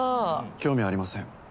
興味ありません。